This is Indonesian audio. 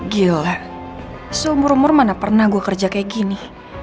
gila seumur umur mana pernah gue kerja kayak gini